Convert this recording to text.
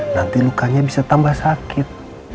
nanti lukanya bisa tambah sakit